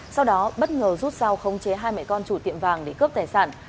sau đó bất ngờ rút dao khống chế hai mẹ con chủ tiệm vàng để cướp tài sản